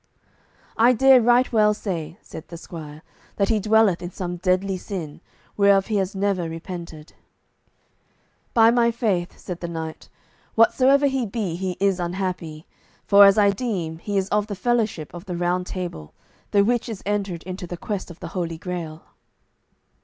"I dare right well say," said the squire, "that he dwelleth in some deadly sin, whereof he has never repented." "By my faith," said the knight, "whatsoever he be, he is unhappy, for, as I deem, he is of the fellowship of the Round Table, the which is entered into the quest of the Holy Grail."